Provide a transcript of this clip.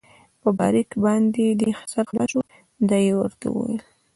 په باریکۍ باندې دې سر خلاص شو؟ دا يې ورته وویل.